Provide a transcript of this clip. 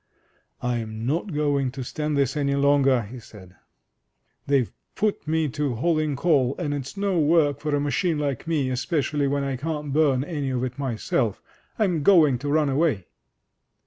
"Fm not going to stand this any longer!'* he said. "They've put me to hauling coal, and it's no work for a machine like me, espe cially when I can't burn any of it myself. I'm going to run away